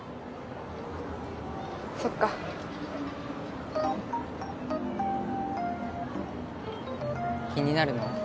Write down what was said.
そっか気になるの？